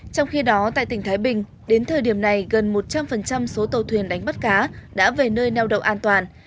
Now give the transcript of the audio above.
trong khi đó tại tỉnh thái bình đến thời điểm này gần một trăm linh số tàu thuyền đánh bắt cá đã về nơi neo đậu an toàn